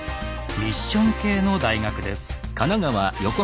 ミッション系の大学です。